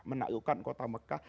menaklukkan kota mekah